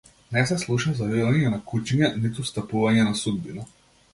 Не се слуша завивање на кучиња ниту стапување на судбина.